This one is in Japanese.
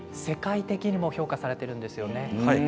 世界的にも評価されているんですよね。